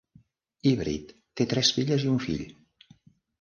Everitt té tres filles i un fill.